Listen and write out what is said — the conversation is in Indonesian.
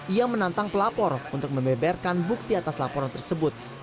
ia menantang pelapor untuk membeberkan bukti atas laporan tersebut